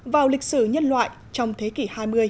vào lịch sử nhân loại trong thế kỷ hai mươi